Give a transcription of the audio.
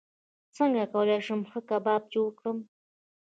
څنګه کولی شم ښه کباب جوړ کړم